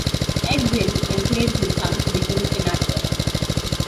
Ed Wynn encouraged his son to become an actor.